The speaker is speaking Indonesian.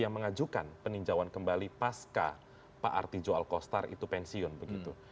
yang mengajukan peninjauan kembali pasca pak artijo alkostar itu pensiun begitu